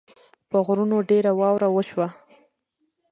په غرونو ډېره واوره وشوه